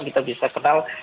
kita bisa kenal